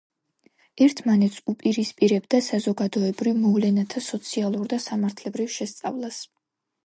ერთმანეთს უპირისპირებდა საზოგადოებრივ მოვლენათა „სოციალურ“ და „სამართლებრივ“ შესწავლას.